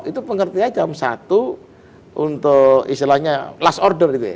itu pengertiannya jam satu untuk istilahnya last order